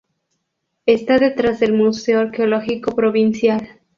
Está detrás del Museo Arqueológico Provincial.